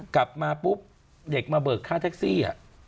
กลับมาปุ๊บเด็กมาเบิกค่าแท็กซี่